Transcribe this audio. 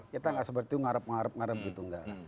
kita gak seperti itu ngarep ngarep gitu enggak lah